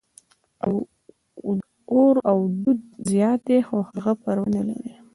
اور او دود زیات دي، خو هغه پروا نه لري.